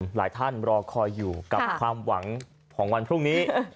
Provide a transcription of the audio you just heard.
หลายท่านรอคอยอยู่กับความหวังของวันพรุ่งนี้